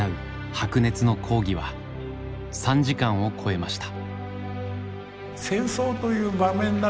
白熱の講義は３時間を超えました。